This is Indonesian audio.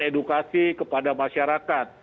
edukasi kepada masyarakat